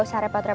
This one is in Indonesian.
udah lah ya